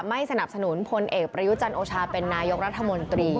ไม่สนับสนุนพลเอกประยุจันโอชาเป็นนายกรัฐมนตรี